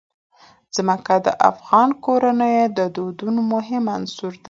ځمکه د افغان کورنیو د دودونو مهم عنصر دی.